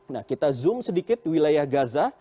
nah kita zoom sedikit wilayah gaza